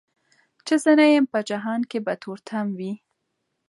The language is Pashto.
چي زه نه یم په جهان کي به تور تم وي